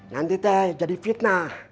nanti teh jadi fitnah